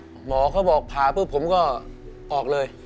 อเจมส์หมอเขาบอกผ่าเพื่อผมก็ออกเลย